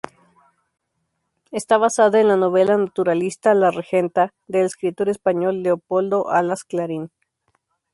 Está basada en la novela naturalista "La Regenta", del escritor español Leopoldo Alas, Clarín.